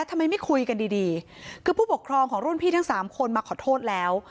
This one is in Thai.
ทำไมไม่คุยกันดีดีคือผู้ปกครองของรุ่นพี่ทั้งสามคนมาขอโทษแล้ว